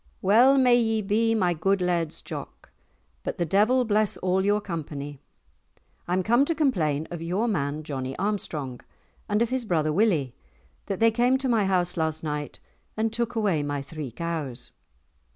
"Well may ye be, my good Laird's Jock, but the devil bless all your company. I'm come to complain of your man, Johnie Armstrong, and of his brother Willie, that they came to my house last night and took away my three cows."